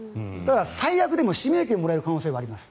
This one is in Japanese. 最悪でも指名権はもらえる可能性はあります。